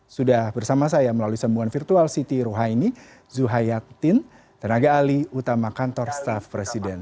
sudah bersama saya melalui sembuhan virtual siti ruhaini zuhayatin dan aga ali utama kantor staff presiden